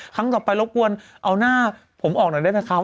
ครั้งต่อไปรบกวนเอาหน้าผมออกหน่อยได้ไหมครับ